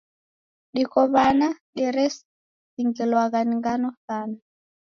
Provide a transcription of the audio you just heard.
Diko w'ana deresingilwagha ni ngano sana.